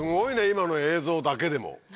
今の映像だけでも。